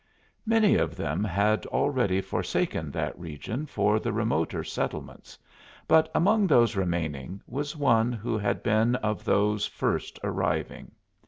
Many of them had already forsaken that region for the remoter settlements, but among those remaining was one who had been of those first arriving.